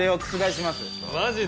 マジで？